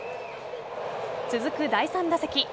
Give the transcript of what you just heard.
続く第３打席。